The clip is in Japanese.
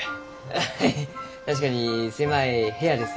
アハハ確かに狭い部屋です